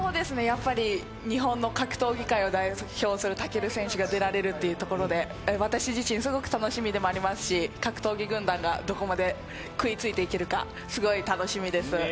日本の格闘技界を代表する武尊選手が出られるということで私自身すごく楽しみでもありますし、格闘技軍団がどこまで食いついていけるかすごい楽しみです。